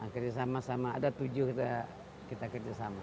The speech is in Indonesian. kita sama sama ada tujuh kita kerjasama